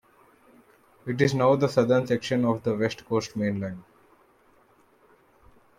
It is now the southern section of the West Coast Main Line.